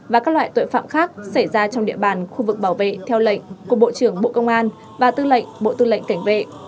và các loại tội phạm khác xảy ra trong địa bàn khu vực bảo vệ theo lệnh của bộ trưởng bộ công an và tư lệnh bộ tư lệnh cảnh vệ